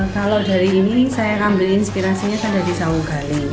kalau dari ini saya ambil inspirasinya kan dari sawugali